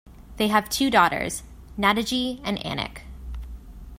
They have two daughters, Nadege and Anik.